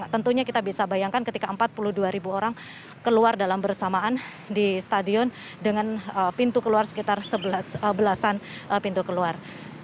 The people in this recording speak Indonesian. tentunya kita bisa bayangkan ketika empat puluh dua ribu orang keluar dalam bersamaan di stadion dengan pintu keluar sekitar belasan pintu keluar